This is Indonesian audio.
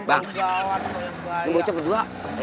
bang ini bocah kedua